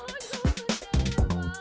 kamu harus dengerin aku